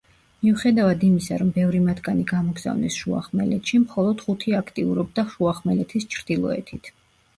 მიუხედავად იმისა, რომ ბევრი მათგანი გამოგზავნეს შუახმელეთში, მხოლოდ ხუთი აქტიურობდა შუახმელეთის ჩრდილოეთით.